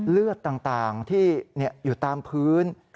เลือดต่างที่อยู่ตามพื้น